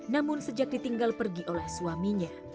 namun sejak ditinggal pergi oleh suaminya